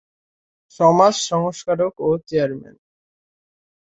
সমাজ সংস্কারক ও চেয়ারম্যান।